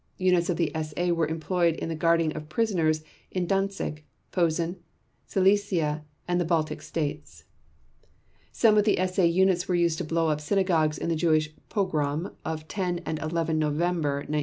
Units of the SA were employed in the guarding of prisoners in Danzig, Posen, Silesia, and the Baltic States. Some SA units were used to blow up synagogues in the Jewish pogrom of 10 and 11 November 1938.